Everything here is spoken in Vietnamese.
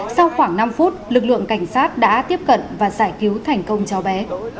sau khoảng năm phút lực lượng cảnh sát đã tiếp cận và giải cứu thành công cháu bé